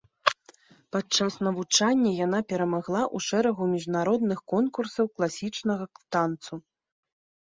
Падчас навучання яна перамагала ў шэрагу міжнародных конкурсаў класічнага танцу.